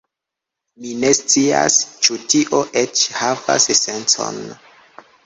Mi ne scias, ĉu tio eĉ havas sencon.